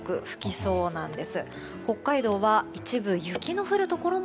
そうなんです。